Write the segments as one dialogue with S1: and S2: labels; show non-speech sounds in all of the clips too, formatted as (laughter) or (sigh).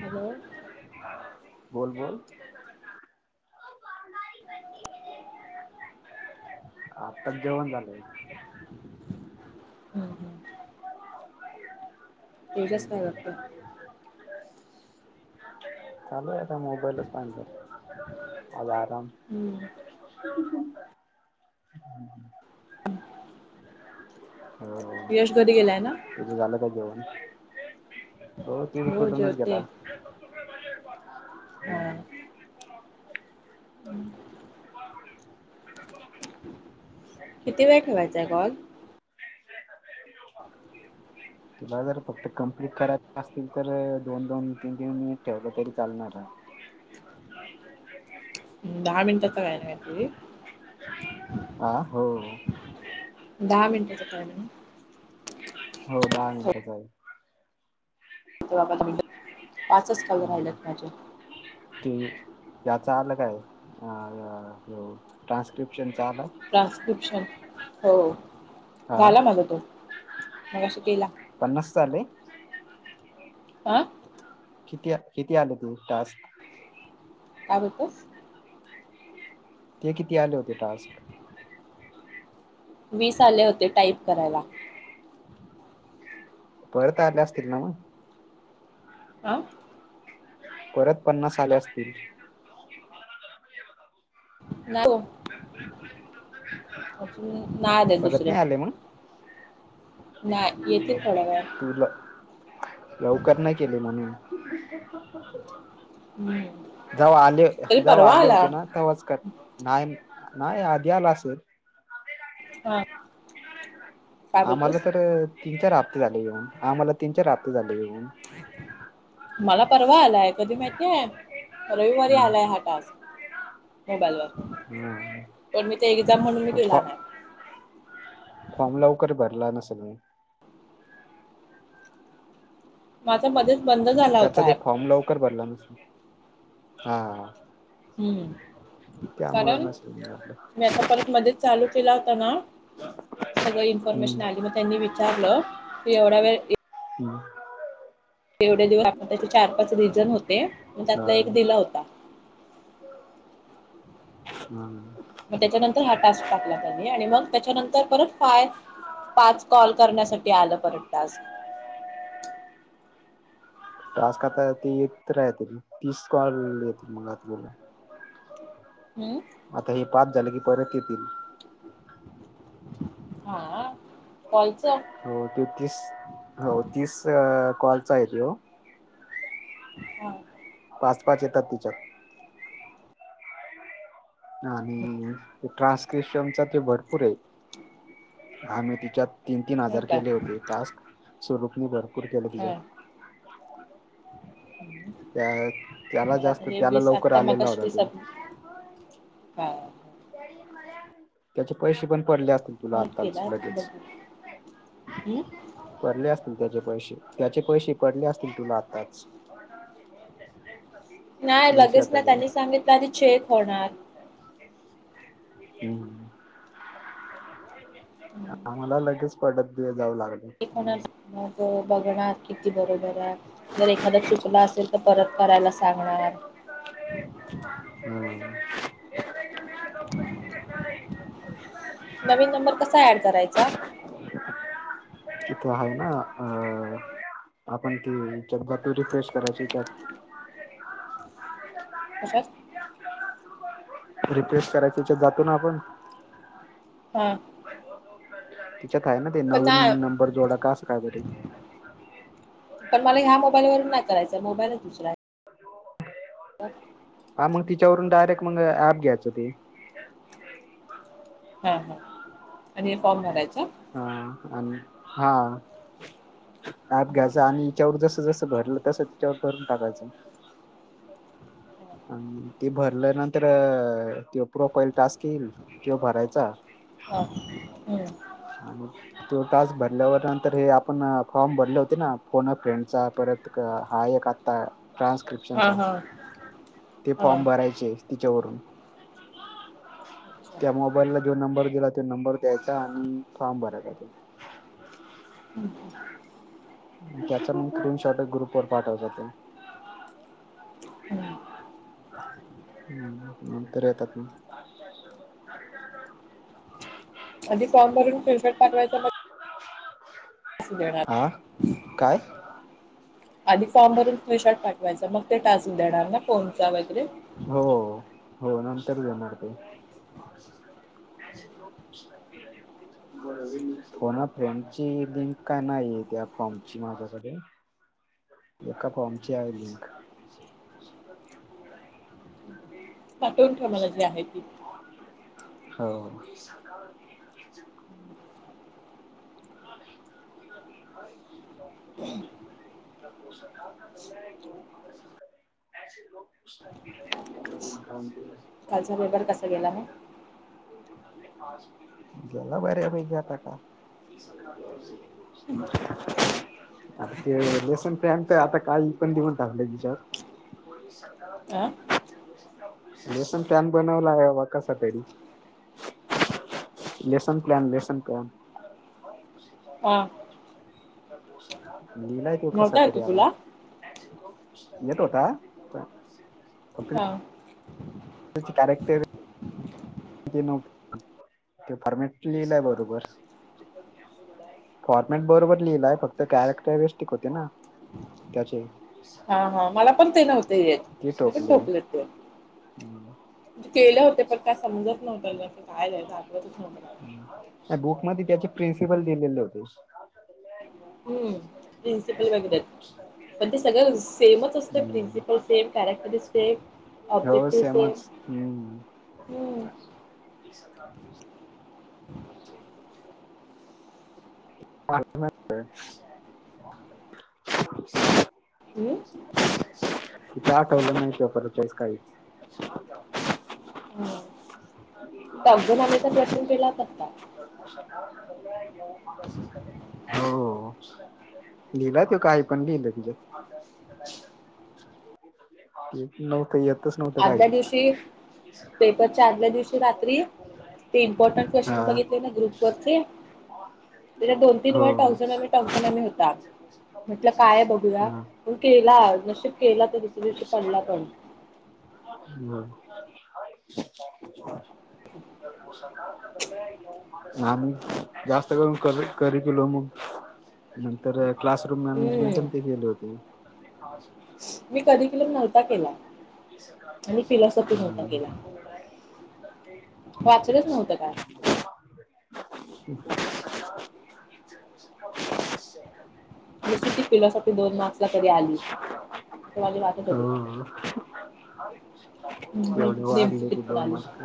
S1: Hello हम्म
S2: बोल बोल. आताच जेवण झालंय.
S1: हम हम. तेजस
S2: (unintelligible)
S1: काय करतोय?
S2: चालू आहे आता मोबाईलच पाहायच. आज आराम
S1: हम्म.
S2: (unintelligible) हो
S1: यश घरी गेलाय ना?
S2: तुझं झालं का जेवून? हो ते करूनच गेला.
S1: हा. हम्म (unintelligible) किती वेळ ठेवायचा आहे कॉल?
S2: तुला जर फक्त कमप्लीट करायच असतील तर, दोन दोन तीन तीन मीनीट ठेवलं तरी चालणार आहे. (unintelligible)
S1: दहा मिनिटाच आहे ना काही तरी?
S2: हा हो.
S1: दहा मिनिटाचा टाईमिग.
S2: हो दहा मिनिटाचा आहे.
S1: ठेवा पाच मिनटं.
S2: हम्म, ते याचा आल काय अ ह्यो ट्रान्स्क्रिप्शन च आलं?
S1: ट्रान्स्क्रिप्शन हो
S2: हा
S1: झाला माझा तो, मगाशी केला.
S2: पन्नासच आलय? (inaudible)
S1: आं
S2: किती -किती आले तू टास्क?
S1: काय बोलतंस?
S2: ते किती आले होते टास्क?
S1: वीस आले होते टाईप करायला.
S2: परत आले असतील ना मग.
S1: आं!
S2: परत पन्नास आले असतील.
S1: नाय, हो. अजून नाय आलेत
S2: परत
S1: दुसरे.
S2: नाही
S1: नाही
S2: हं
S1: येतील
S2: हं
S1: थोड्या वेळात.
S2: तुला. लवकर नाही केले म्हणून.
S1: हम्म
S2: जवा
S1: तरी
S2: आले-जवा
S1: परवा
S2: आले
S1: आला.
S2: होते ना तवाच कर. नाय- नाय अधी आला असल.
S1: हा! काय
S2: आम्हाला
S1: बोलतोस?
S2: तर तीन चार हप्ते झाले येेऊन, आम्हाला तीन चार हप्ते झाले येऊन.
S1: मला परवा आलाय कधी माहितीय रविवारी
S2: हम्म.
S1: आलाय हा टास्क. मोबाईला
S2: हम्म.
S1: पण मी ते एक्झाम म्हणून मी केेला नाही.
S2: फॉम लवकर भरला नसेल मी.
S1: माझा मध्येच बंद झाल
S2: त्याचा ते फॉर्म लवकर भरला नसलं,, हा हा.
S1: हम्म
S2: त्यामुळ
S1: कारण
S2: नसत म आपलं.
S1: मी आता परत मध्येच चालू केला होता ना! सगळं
S2: हम्म.
S1: इन्फॉर्मेशन आली म. त्यांनी विचारलं ते एवढा वेळ ए
S2: हम्!
S1: एवढ्या दिवस आपण त्याचे चार पाच रिझन होते, मग
S2: हा.
S1: त्यातला एक दिला होता.
S2: हं!
S1: मग त्याच्यानंतर हा टास्क टाकला त्यांनी आणि मग त्याच्यानंतर परत फाय पाच कॉल करण्यासाठी आलं परत टास्क.
S2: टास्क आता ते येत राहते प्लस कॉल येत मग आपल्याला.
S1: हम्म!
S2: आता हे पाच झाले की परत येतील.
S1: हा हा! कॉलच
S2: हो ते तीस हो तीस अ कॉलचा आहे त्योव.
S1: हा!
S2: पाच पाच येतात तिच्यात. आणि ट्रान्सक्रिशनचा ते भरपूर आहे.
S1: हम.
S2: आम्ही तिच्यात तीन तीन हजार केले होते टास्क स्वरूपनी भरपूर केल तिच्यात.
S1: हम्म
S2: त्या
S1: (inaudible)
S2: त्याला
S1: मला तर
S2: जास्त
S1: हे
S2: त्याला
S1: वीस
S2: लवकर
S1: आता
S2: आलेला
S1: मगाशी
S2: होता तो
S1: दिसत हा.
S2: त्याडी मलायाळ. त्याचे पैसे पण पडले असतील तुला आताच
S1: केला
S2: लगेच.
S1: बघू हम्म
S2: पडले असतील त्याचे पैसे त्याचे पैसे पडले असतील तुला आताच.
S1: नाही लगेच ना त्यांनी सांगितलं आधी चेक होणार.
S2: हम् आम्हाला लगेच पडत दि जाऊ लागले.
S1: ते कोणाच मग बघणार किती बरोबर आहे. जर एखादा चुकला असेल तर परत करायला सांगणार.
S2: हम्म.
S1: नवीन नंबर कसा ऍड करायचा.
S2: तथ आहे ना अ. आपण ती च्यात रिफ्रेश करायचीत.
S1: कशात.
S2: रिफ्रेश करायची याच्यात जातो ना आपण.
S1: हा,
S2: त्यात आहे ना ते
S1: पण
S2: नवीन
S1: नाही
S2: नंबर जोडा का असकाय.
S1: पण मला ह्या मोबाईलवरून नाही करायचां मोबाईलच दुसरा. होओ (inaudible)
S2: हा मग तिच्यावरून डायरेक्ट मग ॲप घ्यायचं ते.
S1: हा हा आणि हे फॉर्म भरायचं.
S2: हा आणि हा. ॲप घ्यायचा आणि यीच्यावर जस जसं भरलं तसं तीच्यावर भरून टाकायच. आणि ते भरल्या नंतर ते प्रोफाईल टास्क येईल तो भरायचा.
S1: हा हम्म.
S2: आणि तो टास्क भरल्यावर नंतर हे आपण फॉर्म भरले होते ना फोन फ्रेंडचा परत. हा एक आता
S1: हा
S2: ट्रान्स्क्रिप्शनचा
S1: हा
S2: ते
S1: हा
S2: फॉर्म भरायचे. तिच्यावरून.
S1: अच्छा
S2: त्या मोबाईलला जो नंबर दिला तो नंबर द्यायचा आणि फॉर्म भरायचा तो.
S1: हम् (inaudible)
S2: त्याचा म स्रीन शॉर्ट ग्रुप वर पाठवतातो.
S1: हम्म.
S2: नंतर येतात मग.
S1: आधी फॉर्म भरून पानवायचा.
S2: हा काय.
S1: आधी फॉर्म भरून फ्शॉट पाठवायचा मग ते टासू देणार ना कोनचा वगैरे
S2: हो हो नंतर घेणार ते. लोतरथ. (unintelligible) हो ना फ्रेंड ची लिंक काय नाहीय त्या फॉममची मासाठी. एका फॉर्मची आहे लिंक.
S1: पाठवून ठेवायला जी आहे ती.
S2: हो. (inaudible) (inaudible) (inaudible)
S1: कालचा पेपर कसा गेला मग?
S2: गेला बऱ्या पैकी आता काय. (inaudible) ते लेसन फॅम तर आता काल पण दिवस धरलाय तिच्यात.
S1: हा
S2: (inaudible) लेसन पॅन बनवला आहे हबा कसा तरी लेसन प्लन, लेसन प्लॅन. (inaudible)
S1: हा.
S2: लिलाय तो कसा
S1: नव्हता येतो
S2: तरी आता
S1: तुला
S2: येत होता. ब (inaudible)
S1: हा.
S2: त्याचे कॅरेक्टर (inaudible) ते फॉर्मेटच लिहिलाय बरोबर. फॉर्मेट बरोबर लिहिलाय फक्त कॅरेक्टरस्टिक होते ना. त्याचे
S1: हा हा मला पण ते नव्हते येत मी पण ठोकलेत ते.
S2: ह (inaudible)
S1: केले होते पण काय समजत नव्हतंं काय लिहायच आठवतच नव्हत.
S2: त्याबुक मध्ये त्याचे प्रिन्सिपल दिलेले होते.
S1: हम्म प्रिन्सिपल वगैरे पण ते सगळं सेमच
S2: (inaudible)
S1: असते
S2: हम्म.
S1: प्रिन्सिपल सेम कॅरेक्टर सेम
S2: हो
S1: ऑब्जेक्टिव्ह सेम
S2: सेमच हम्म.
S1: हम्म.
S2: ते. (inaudible) (inaudible) म. (inaudible)
S1: हम्म
S2: तिथे आठवलं नाही ते परतेच काही. (inaudible)
S1: तारजुन आनेचा क्वेशन केला होता का?
S2: व अवश्य कर. (inaudible) हो लिहिलं तो काही पण लिहिलं त्याच्यात नव्हतं येतच नव्हतं काही.
S1: आदल्या दिवशी पेपरच्या आदल्या दिवशी रात्री ते इम्पॉर्टंट
S2: हा
S1: क्वेश्चन बघितले ना ग्रुप वरचे त्याच्यात दोन, तीन
S2: हो
S1: वेळा टवसनमी टवसनमी होता म्हटलं काय बघूया.
S2: हा
S1: तो केला नशीब केला तर दुसऱ्या दिवशी पडला पण.
S2: हम्म. (inaudible) हा बोल की जास्त करून क करी तुला मोठ नंतर क्लासरूम मॅनेजमेंट
S1: हम्म
S2: ते गेले होते.
S1: मी कधी क्लीम नव्हता केला. आणि फिलॉसॉफी नव्हता केला
S2: ह.
S1: वाचलंच नव्हतं काय
S2: (inaudible) (inaudible) (inaudible)
S1: नशिब ती फिलॉसॉफी दोन मार्क्स ला तरी आली ते माझे वाटत होते.
S2: तेवढे वाढले ते
S1: पण
S2: दोन
S1: आली
S2: मार्क.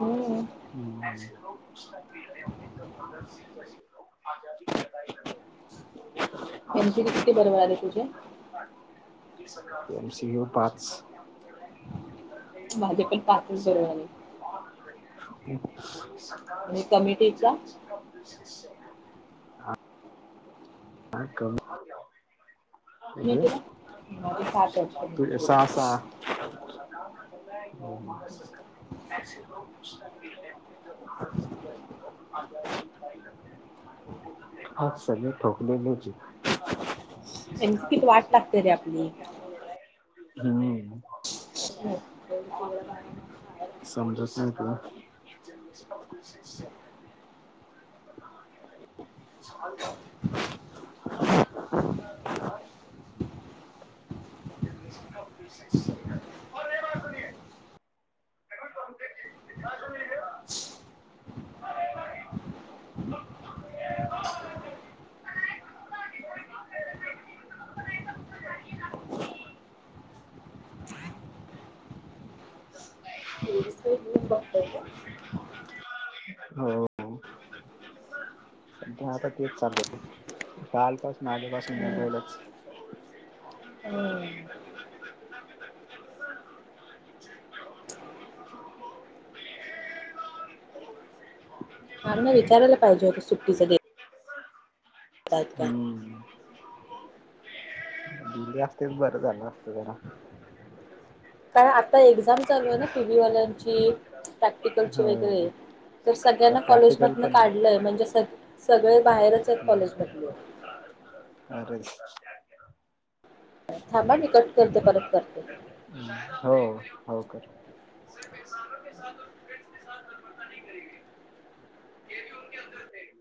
S1: हम्म
S2: हम्. ल (inaudible)
S1: एनसीटू किती बरोबर आहे तुझ्या.
S2: एमसीयू पाच. (inaudible) (inaudible)
S1: माझे पण पाचच बरोबर आले आणि कमिटीला
S2: काय करू.
S1: कमिटीला माझे सात आहेत
S2: तू ये
S1: कमिटीला
S2: सहा सहा. म महाराष्ट्र काय. ॅ (inaudible) आज सळे ठोकले लेचीे.
S1: त्यांची किती वाट लागते रे आपली.
S2: हम्म. समजस नाही तुला. (inaudible) (inaudible) आलोय माझं मी. (unintelligible) (inaudible)
S1: तस बघतये (unintelligible)
S2: हो हो, सध्या आता तेच चाल कालपासून आधीपासून मोबाईलच.
S1: होय. आम्ही ना विचाराला पाहिजे होतं सुट्टीचा डे.
S2: हम्म. दिली असती बरं झालं असतं जरा.
S1: कारण आता एक्झाम चालू आहे ना पी व्ही वाल्यांची. प्रॅक्टिकलचे
S2: हो
S1: वेगळे तर सगळ्यांना
S2: प्रॅक्टिकल
S1: कॉलेजमधन
S2: पण
S1: काढलंय म्हणजे स''--'' सगळे बाहेरच आहेत
S2: नाही
S1: कॉलेजमधले.
S2: अरे.
S1: थांबा मी कट करते परत करते.
S2: हम्म हो हो कर.